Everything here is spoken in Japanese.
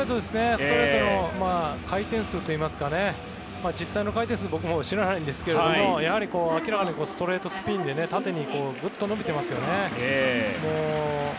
ストレートの回転数といいますか実際の回転数を僕も知らないんですが明らかにストレートスピンで縦にぐっと伸びていますね。